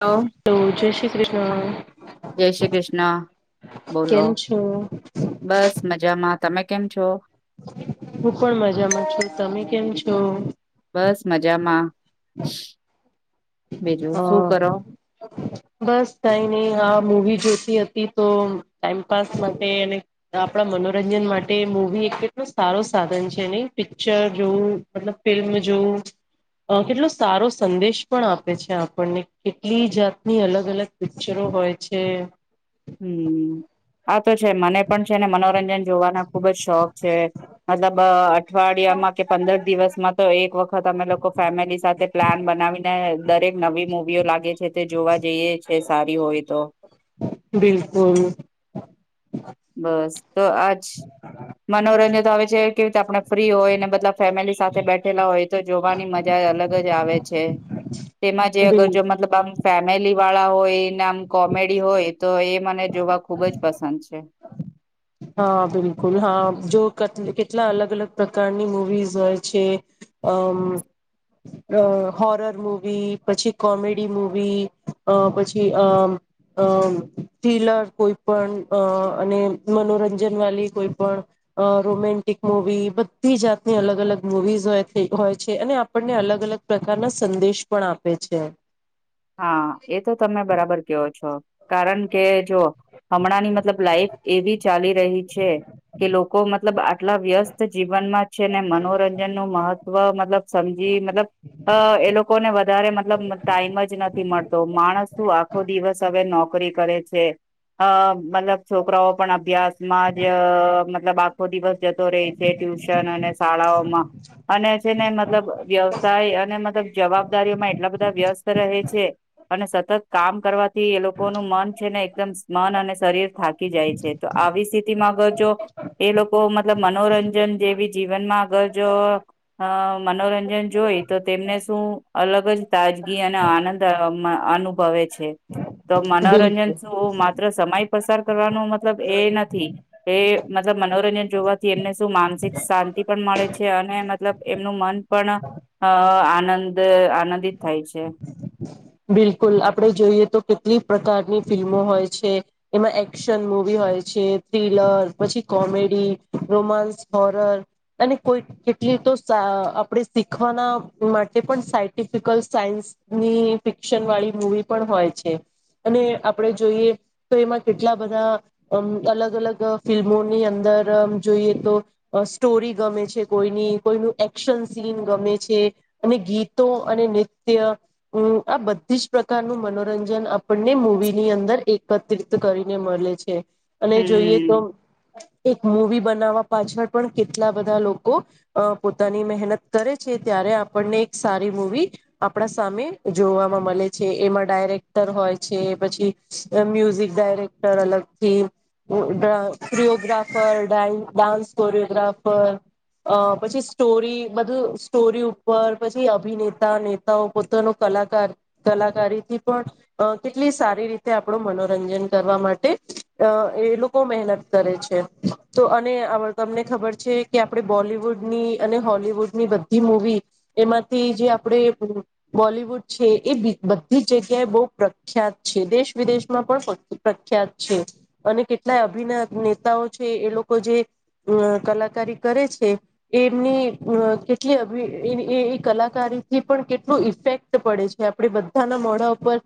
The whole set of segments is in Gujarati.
હ તો જય શ્રી કૃષ્ણ જય શ્રી કૃષ્ણ. બોલો કેમ છો હું બસ મજામાં. તમે કેમ છો? હું પણ મજામાં છું. તમે કેમ છો? બસ મજામાં. બીજું અ શું કરો? બસ કઈ નહી હા મુવી જોતી હતી તો ટાઈમપાસ માટે આપણા મનોરંજન માટે મુવી કેટલોું સારો સાધન છે નહી પિક્ચર જોવું મતલબ ફિલ્મ જોવુ કેટલો સારો સંદેશ પણ આપ છે આપણને કેટલી જાતની અલગ અલગ પિક્ચરો હોય છે. હમ આ તો છે મને પણ છે ને મનોરંજન જોવાના ખુબ જ શોખ છે મતલબ અ અઠવાડિયામાં કે પંદર દિવસમાં તો એક વખત અમે લોકો ફેમિલી સાથે પ્લાન બનાવીને દરેક નવી મુવીઓ લાગે છે તે જોવા જઈએ છે સારી હોય તો બિલકુલ. બસ તો આજ મનોરંજન તો આવે છે કેવી રીતે આપણે ફ્રી હોય ને બધા ફેમિલી સાથે બેઠેલા હોય તો જોવાની મજા જ અલગ જ આવે છે. તેમાં જે અગર બિલ જો મતલબ આમ ફેમિલી વાળ ળા હોય નામ કોમેડી હોય તો એ મને જોવા ખુબ જ પસંદ છે. હા. હા બિલકુલ હા જો કેટલા અલગ અલગ પ્રકારની મુવીઝ હોય છે. અ અ હોરર મુવી, પછી કોમેડી મુવી, અ પછી અ અ થ્રીલર કોઈ પણ અ અને મનોરંજન વાલી કોઈ પણ, રોમેન્ટિક મુવી બધી જાતની અલગ અલગ મુવીઝ હોય છે અને આપણને અલગ અલગ પ્રકારના સંદેશ પણ આપે છે. હા એ તો તમે બરાબર કેયોો છો. કારણ કે જો હમણાં ની મતલબ લાઈફ એવી ચાલી રહી છે. કે લોકો મતલબ આટલા વ્યસ્ત જીવન જીવનમાં છે ને મનોરંજન નું મહત્વ મતલબ સમજી મતલબ અ એ લોકોને વધારે મતલબ ટાઈમ જ નથી મળતો માણસ શું આખો દિવસ હવે નોકરી કરે છે અ મતલબ છોકરાઓ પણ અભ્યાસમાં જ અ મતલબ આખો દિવસ જતો રહી છે ટ્યુશન અને શાળાઓમાં અને છે ને મતલબ વ્યવસાય અને મતલબ જવાબદારીઓમાં એટલા બધા વ્યસ્ત રહે છે અને સતત કામ કરવા થી એ લોકોનું મન છે ને એકદમ મન અને શરીર થાકી જાય છે તો આવી સ્થિતિમાં અગર જો એ લોકો મતલબ મનોરંજન જેવી જીવનમાં અગર જો અ મનોરંજન જોઈ તો તેમને શું અલગ જ તાજગી અને આનંદ અમા અનુભવે છે. તો મનોરંજન બિલકુલ શું માત્ર સમય પસાર કરવાનો મતલબ એ નથી એ મત લબ મનોરંજન જોવાથી એમને શું માનસિક શાંતિ પણ મળે છે, અને મતલબ એમનું મન પણ અ આનંદ આનંદિત થાય છે. બિલકુલ આપડે જોઈએ તો કેટલી પ્રકારની ફિલ્મો હોય છે, એમાં એક્શન મુવી હોય છે, થ્રીલર પછી કોમે ડી, રોમાન્સ, હોરર, અને કોઈ કેટલી તો સા આપણે શીખવાના માટે પણ સાયન્ટિફિકલ સાયન્સની ફિક્શન વાળી મૂવી પણ હોય છે. અને આપણે જોઈએ તો એમાં કેટલા બધા અ અલગ અલગ ફિલ્મોની અંદર જોઈએ તો સ્ટોરી ગમે છે, કોઈની કોઈનું એક્શન સીન ગમે છે. અને ગીતો અને નેત્ય આ બધી જ પ્રકારનું મનોરંજન આપ પણને મૂવીની અંદર એકત્રિત કરીને મલે છે. અને જોઈએ હમ તો એક મૂવી બનાવા પાછળ પણ કેટલા બધા લોકો અ પોતાની મહેનત કરે છે, ત્યારે આપણને સારી મૂવી આપણા સામે જોવામાં મલે છે, એમાં ડાયરેક્ટર હોય છે, પછી મ્યુઝિક ડાયરેક્ટર અલગથી કોડ ક્રીઓગ્રાફર ડા ડાન્સ કોરિયોગ્રાફર અ પછી સ્ટોરી બધું સ્ટોરી ઉપર પછી અભિનેતા નેતાઓ પોતાનો કલાકાર કલાકારીથી પણ અ કેટલી સારી રી રીતે આપણું મનોરંજન કરવા માટે અ એ લોકો મહેનત કરે છે, તો અને તમને ખબર છે, કે આપણે બોલીવુડ હની અને હોલવુડની બધી મૂવી એમાંથી જે આપડે બોલિવુડ છે એ બધી જ જગ્યાએ બોવ પ્રખ્યાત છે. દેશ વિદેશમાં પણ પ્રખ્યાત છે, અને કેટલા અભિ નેતાઓ છે, એ લોકો કો જે કલાકારી કરે છે એમની કેટલી અ અભી એ એ એ કલાકારીથી પણ કેટલું ઇફેક્ટ પડે છે, આપણે બધાના મોડા ઉપર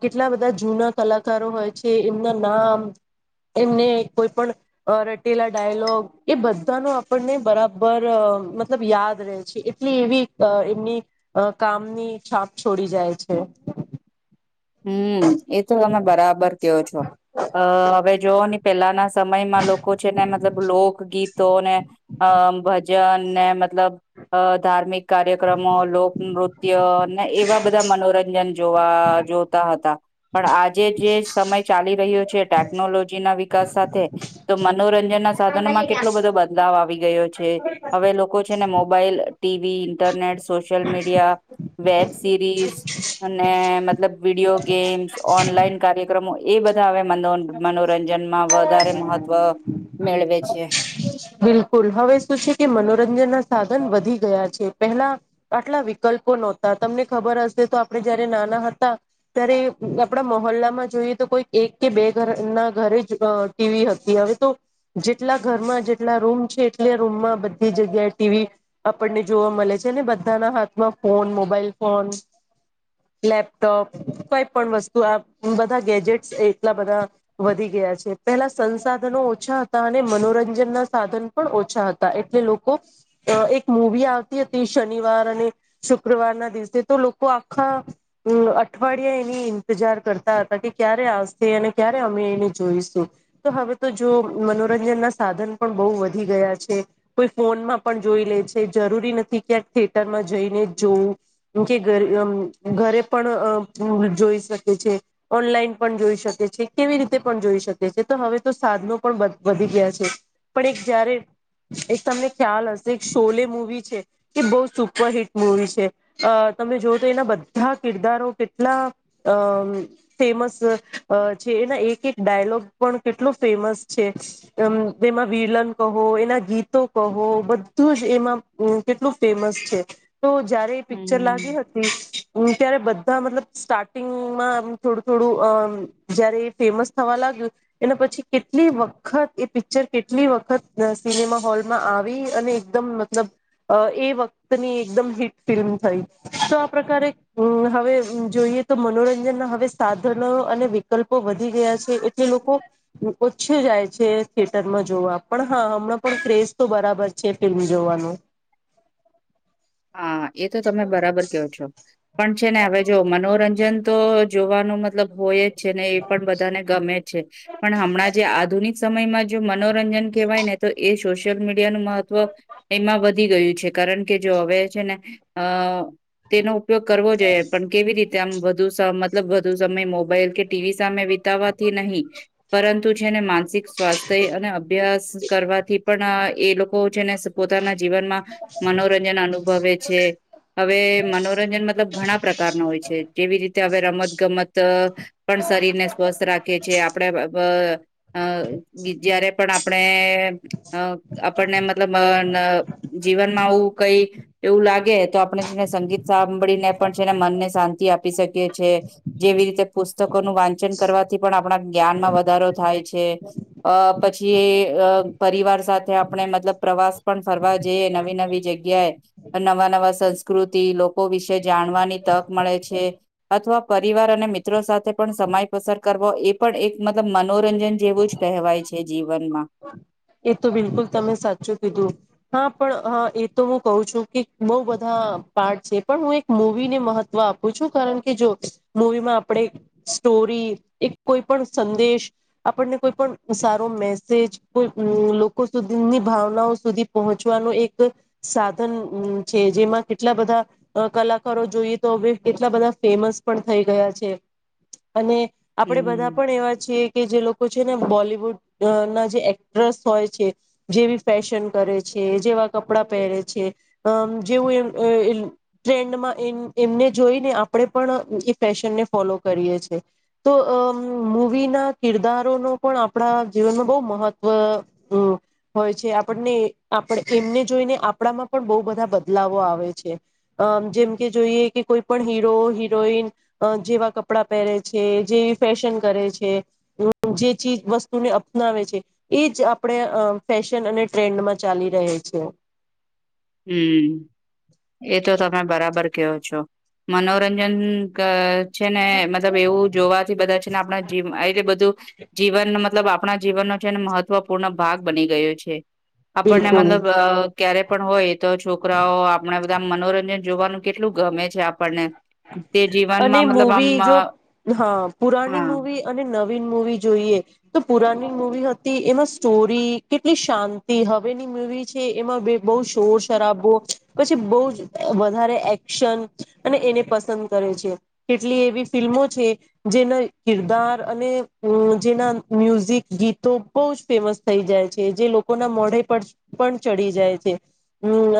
કેટલા આ બધા જૂના કલાકારો હોય છે, એમના નામ એમને કોઈ પણ રટેલા ડાયલોગ એ બધાનો આપણને બરાબર મતલબ યાદ રહે છે. કેલી એવી અ એમની અ કામની છાપ છોડી જાય છે. હમ એ તો તમે બરાબર કેવો છો અ હવે જોવો ની પેલાના સમયમાં લોકો છે, ને મતલબ લોકગીતો ને અ ભજન ને મતલબ અ ધાર્મિક કાર્યક્રમો લોકનૃત્ય ને એવા બધા મનોરંજન જોવા જો તા હતા પણ આજે જે સમય ચાલી રહ્યો છે, ટેકનોલોજી ના વિકાસ સાથે તો મનોરંજન ના સાધનોમાં કેટલો બધો બદલાવ આવી ગયો છે, હવે લોકો છેને mobile, TV, internet, social media, web series, અને મતલબ વિડીયો ગેમ્સ ઓનલાઈન કાર્યક્રમો એ બધા અવે મનોન મનોરંજનમાં વધારે મહત્વ મેળવે છે. બિલકુલ હવે શું છે, કે મનોરંજન ના સા ધન વધી ગયા છે, પેહલા આટલા વિકલ્પો નોતા તમને ખબર હશે તો આપણે જયારે નાના હતા ત્યારે આપણા મહોલ્લામાં જોઈએ તો કોઈ એક કે બે ઘરના ઘરે જ ટીવી હતી હવે તો જેટલા ઘરમાં જેટલા રૂમ છે, એટલે રૂમમાં બધી જગ્યાએ ટીવી આપણને જોવા મલે છે ને બધાના હાથમાં ફોન મોબાઈલ ફોન લેપટોપ કોઈ પણ વસ્તુ આ બધા ગેજેટ્સ એ એટલા બધા વધી ગયા છે, પેલા સંસાધનો ઓછા હતા અને મનોરંજનના સાધન પણ ઓછા એટલે લોકો એક મૂવી આવતી હતી શનિવાર અને શુક્રવારના દિ વસે તો લોકો આખા અઠવાડિયા એની ઈતજાર કરતા હતા કે ક્યારે આવ સે અને ક્યારે અમે એને જોઈશું તો હવે તો જો મનોરંજન ના સાધન પણ બહુ વધી ગ છે કોઈ ફોનમાં પણ જોઈ લે છે જરૂરી નથી ક્યાંક થિયેટરમાં જઈને જ જોવું કે ઘરે પણ જોઈ શકે છે ઓનલાઈન પણ જોઈ શકે કેવી રીતે પણ જોઈ શકે છે તો હવે તો સાધનો પણ વધી ગયા છે પણ એક જ્યારે એક તમને ખ્યાલ હશે એક શોલે મૂવી છે કે બહુ સુપરહિટ મુવી છે તમે જોવ તો એના બધા કિરદારો કેટલા અ ફેમસ અ છે એના એક એક ડાયલોગ પણ કેટલો ફેમસ છે તેમાં વિલન કહો એના ગીતો કહો બધું જ એમાં કેટલું ફેમસ છે તો જયારે એ પિક્ચર હમ્મ. લાગી હતી ત્યારે બ ત મતલબ સ્ટાર્ટિંગમાં થોડું થોડું અ જયારે એ ફેમસ થવા લાગ્યું એના પછી કેટલી વખત એ પિક્ચર કેટલી વખત સિનેમા હોલમાં આવી અને એકદમ મતલબ એ વખતની એકદમ હિટ ફિલ્મ થઈ તો આ પ્રકારે હવે જોયું તો મનોરંજનના હવે સાધનો અને વિકલ્પો વધી ગયા છે એટલે લોકો ઓછે જાય છે થિયેટરમાં જોવા પણ હા પણ કકસ તો બરાબર છે ફિલ્મ જોવાનું હા એ તો તમે બરાબર કહો છો પણ છે ને હવે જો મનોરંજન તો જોવાનું મતલબ હોય છે ને એ પણ બધાને ગમે છે પણ હમણાં જે આધુનિક સમયમાં જો મનોરંજન કહેવાય ને તો એ સોશિયલ મીડિયા નું મહત્વ એમાં વધી ગયું છે કારણ કે જો હવે છે ને તેનો ઉપયોગ કરવો જોઈએ પણ કેવી રીતે ત્યાં વધુ મતલબ વધુ સમય મોબાઈલ કે ટીવી સામે વિતાવાથી નહીં પરંતુ જેને માનસિક સ્વાસ્થ્ય અને અભ્યાસ કરવાથી પણ એ લોકો છેને પોતાના જીવનમાં મનોરંજ અનુભવે છે હવે મનોરંજન મતલબ ઘણા પ્રકાર ન હોય છે જેવી રીતે હવે રમત ગમત પણ શરીર ને સ્વસ્થ રાખીએ છીએ આપણે અ જય્યારે પણ આપણે અ આપણને મતલબ જીવનમાં આવું કઈ એવું લાગે તો આપણે છેને સંગીત સાંભળીને પણ છેને મનને શાંતિ આપી શકી છી જેવી રીતે પુસ્તકોનુંુ વાંચન કરવાથી પણ આપણા જ્ઞાનમાં વધારો થાય પછી પરિવાર સાથે આપણે મતલબ પ્રવાસ પણ ફરવા જઈ નવી નવી જગ્યાએ નવા નવા સંસ્કૃતિ વિશે જાણવાની તક મળે છે અથવા પરિવાર અને મિત્ર મિત્રો સાથે પણ સમય પસાર કરવો એ પણ એક મતલબ મનોરંજન જેવું જ કહેવાય છે જીવનમાં એ તો બિલકુલ તમે સાચું કીધું હા પણ એ તો હું કહું છું કે બઉુ બધા પાર્ટ છે પણ હું એક મુવીને મહત્વ આપું છું કારણ કે જો મવીમાં આપણે સ્ટોરી એક કોઈ પણ સંદેશ આપણને કોઈ પણ સારો મેસ કો લોકો સુધીની ભાવનાઓ સુધી પહોંચવાનો એક સાધન છે જેમાં કેટલા બધા કલાકારો જોઈએ તો હવે કેટલા બધા ફેમસ પણ થઈ ગયા છે અને આપડે બધા હમ પણ એવા છીએ કે જે લોકો છે ને બોલવુડ અ ના જે એક્ટ્રેસ હોય છે જેવી ફેશન કરે છે જેવા કપડાં પહેરે છે અ જેવું ટ્રેન્ડમાં એમને જોઈને આપણે પણ એ ફ કરી તો મુવી ના કિરદારો પણ આપ જીવનમાં બહુ મહત્વ હોય છે આપણને આપ એમને જોઈને આપણામાં પણ બહુ બધા બદલાવો આવે છે આ જેમકે જોઈએ કે કોઈ પણ હીરો હિરોઈન અ જેવા કપડાં પહેરે છે જેવી ફેશન કરે છે જે ચીજ વસ્ત તું ને અપનાવે છે એ જ આપણે ફેશન અને ટ્રેન્ડમાં ચાલી રહે છે. [inaudible] હા બરાબર કેવો છો મનોરંજન કા છે ને મતલબ એવું જોવાથી બધા છે ને આપણા જીવ આ રીતે બધું જીવન માં મતલબ આપણા જીવનનો છેને મહત્વપૂર્ણ ભાગ બની ગયો છે આપણને બિલકુલ મતલબ આ ક્યારે પણ હોય તો છોકરાઓ આપણા બધા મનોરંજન જોવાનું કેટલું ગમે છે આપણને. તે અને જીવનમાં મતલબ આમ મૂવી જો આ હા પુરાની મુૂવી અને નવી મુવી જોઈએ તો પુરાની મુવી હતી એમાં સ્ટોરી કેટલી શાંતિ હવેની મુવી છે એમાં બે બહુ શોર શરાબો પછી બોજ વધારે એક્શન અને એને પસંદ કરે છે કેટલી એવી ફિલ્મો છે જેના કિરદાર અને જેના મ્યુઝિક ગીતો બહુ જ ફેમસ થઈ જાય છે જે લોકોના મોઢે પર પણ ચડી જાય છે.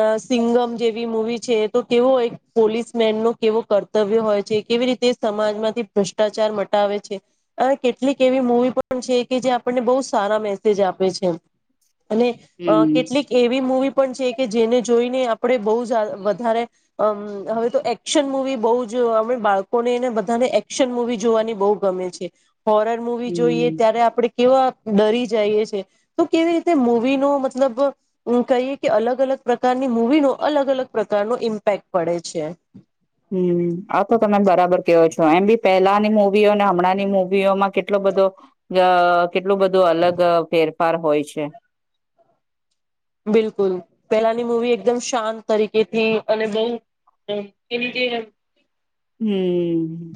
આ સિંગમ જેવી મુવી છે તો કેવો એક પોલીસ મેન નો કેવો કર કરતવ્ય હોય છે કેવી રીતે સમાજમાંથી ભ્રષ્ટાચાર મટાવે છે અને કેટલીક એવી મુૂવી પણ પણ છે કે જે આપણને બો સારા મેસેજ આપે છે. અને આ હમ કેટલીક એવી મુૂવી પણ છે કે જેને જોઈને આપણે બહુજ વધારે આમ હવે તો એક્શન મુવી બહુજ જો અમે બાળકો એને બધાને એક્શન મુવી જોવાની બહુ ગમે છે. હોરર મુવી જોઈએ હમ ત્યારે આપડે કેવા દરી જઈએ છીએ તો કેવી રીતે મુવી નો મતલબ કહીએ કે અલગ અલગ પ્રકારની મુવી નો તો અલગ અલગ પ્રકાર નો ઇમ્પેક્ટ પડે છે. હમ આ તો તમે બરાબર કેવો છો એમ બી પહેલાની મુૂવીઓ અને હમણાંની મુવીઓમાં કેટલો બધો જા કેટલું બધું અલગ ફેરફાર હોય છે. બિલકુલ પેલાની મૂવી એકદમ શાંત તરીકેથી અને બહુ એમ તેવી જે હમ્મ.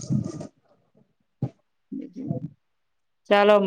ચાલો માં